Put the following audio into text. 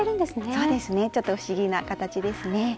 そうですねちょっと不思議な形ですね。